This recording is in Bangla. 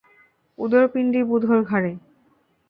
উদোর পিণ্ডি বুধোর ঘাড়ে।